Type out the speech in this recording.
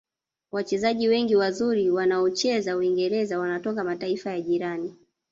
wachezaji wengi wazuri waonaocheza uingereza wanatoka mataifa ya jirani